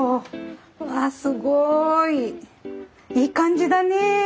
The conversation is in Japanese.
わあすごい！いい感じだねえ。